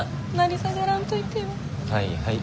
はいはい。